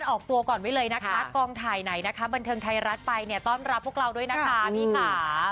ออกตัวก่อนไว้เลยนะคะกองถ่ายไหนนะคะบันเทิงไทยรัฐไปเนี่ยต้อนรับพวกเราด้วยนะคะพี่ค่ะ